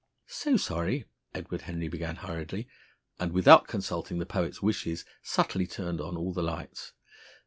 "So sorry!" Edward Henry began hurriedly, and, without consulting the poet's wishes, subtly turned on all the lights.